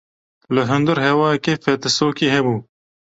Li hundir hewayeke fetisokî hebû.